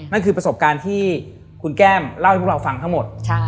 นั่นคือประสบการณ์ที่คุณแก้มเล่าให้พวกเราฟังทั้งหมด